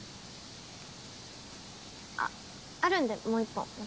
あっあるんでもう１本私。